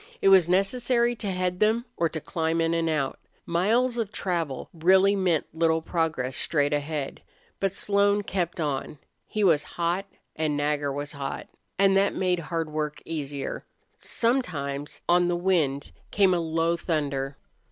It was necessary to head them or to climb in and out. Miles of travel really meant little progress straight ahead. But Slone kept on. He was hot and Nagger was hot, and that made hard work easier. Sometimes on the wind came a low thunder.